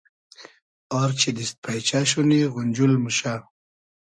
آر چی دیست پݷچۂ شونی غونجول موشۂ